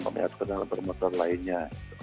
memilih kendaraan bermotor lainnya